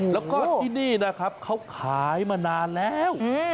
แล้วก็ที่นี่นะครับเขาขายมานานแล้ว